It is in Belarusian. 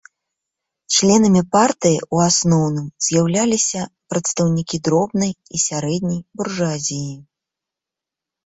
Членамі партыі ў асноўным з'яўляліся прадстаўнікі дробнай і сярэдняй буржуазіі.